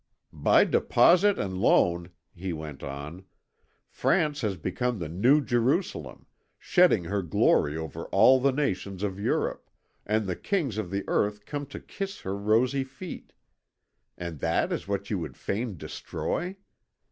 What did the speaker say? "By Deposit and Loan," he went on, "France has become the New Jerusalem, shedding her glory over all the nations of Europe, and the Kings of the Earth come to kiss her rosy feet. And that is what you would fain destroy?